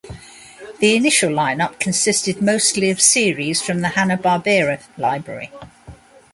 The initial lineup consisted mostly of series from the Hanna-Barbera library.